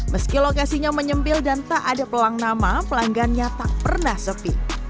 meski lokasinya menyempil dan tak ada pelang nama pelanggannya tak pernah sepi